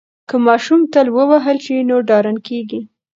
که ماشوم تل ووهل شي نو ډارن کیږي.